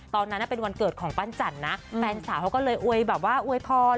ตอนนั้นเป็นวันเกิดของปั้นจันทร์นะแฟนสาวเขาก็เลยอวยแบบว่าอวยพร